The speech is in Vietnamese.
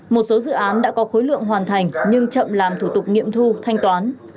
một số dự án đã có khối lượng hoàn thành nhưng chậm làm thủ tục nghiệm thu thanh toán